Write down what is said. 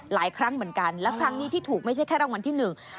หลายครั้งเหมือนกันและครั้งนี้ที่ถูกไม่ใช่แค่รางวัลที่หนึ่ง